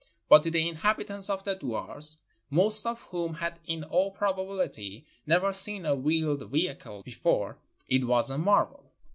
But to the inhabitants of the duars, most of whom had in all probability never seen a wheeled vehicle before, it was a marvel.